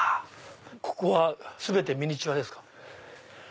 ここは全てミニチュアですか。